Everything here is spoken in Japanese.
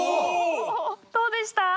どうでした？